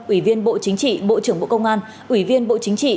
ủy viên bộ chính trị bộ trưởng bộ công an ủy viên bộ chính trị